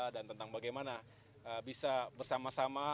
dan tentang bagaimana bisa bersama sama